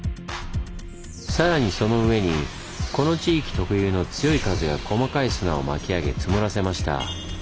さらにその上にこの地域特有の強い風が細かい砂を巻き上げ積もらせました。